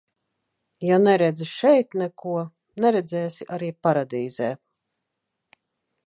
Ja neredzi šeit neko, neredzēsi arī paradīzē.